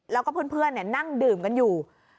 แล้วก็เพื่อนนั่งดื่มกันอยู่